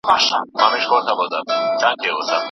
که خاوند سليمې ته ووايي، چي اې جميلې! ته طلاقه يې.